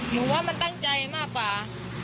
หนูว่ามันตั้งใจมากกว่า